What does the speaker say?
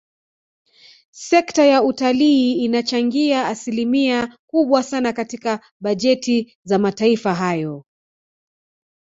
Sekta ya utalii inachangia asilimia kubwa sana katika bajeti za mataifa hayo